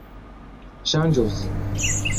ŝanĝos